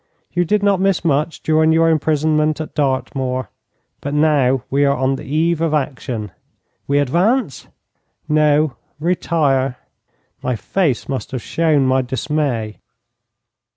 You did not miss much during your imprisonment at Dartmoor. But now we are on the eve of action.' 'We advance?' 'No, retire.' My face must have shown my dismay.